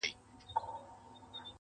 رب دي سپوږمۍ كه چي رڼا دي ووينمه.